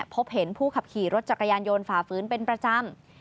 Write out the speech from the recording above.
พบเห็นผู้ขับขี่รถจักรยานยนต์ฝ่าฝืนเป็นประจำ